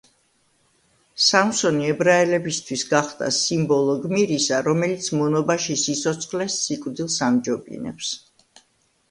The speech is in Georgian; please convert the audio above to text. სამსონი ებრაელებისთვის გახდა სიმბოლო გმირისა, რომელიც მონობაში სიცოცხლეს სიკვდილს ამჯობინებს.